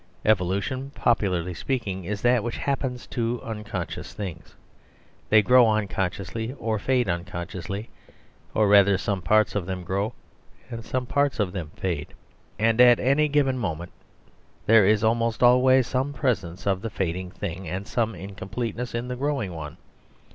Evolution, popularly speaking, is that which happens to unconscious things. They grow unconsciously; or fade unconsciously; or rather, some parts of them grow and some parts of them fade; and at any given moment there is almost always some presence of the fading thing, and some incompleteness in the growing one.